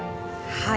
はい。